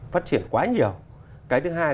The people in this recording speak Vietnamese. phát triển quá nhiều cái thứ hai